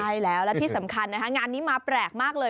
ใช่แล้วและที่สำคัญนะคะงานนี้มาแปลกมากเลย